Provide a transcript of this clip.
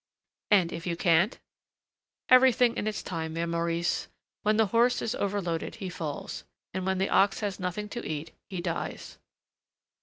"And if you can't?" "Everything in its time, Mère Maurice: when the horse is overloaded, he falls; and when the ox has nothing to eat, he dies."